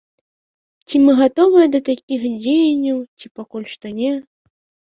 Ці мы гатовыя да такіх дзеянняў, ці пакуль што не.